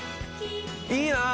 いいなあ！